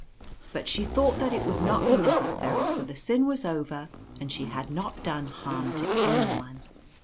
" But she thought that it would not be necessary, for the sin was over and she had not done harm to anyone.